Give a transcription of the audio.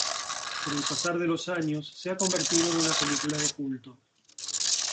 Con el pasar de los años se ha convertido en una película de culto.